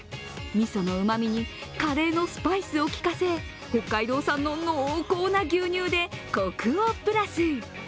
みそのうまみにカレーのスパイスをきかせ、北海道産の濃厚な牛乳でコクをプラス。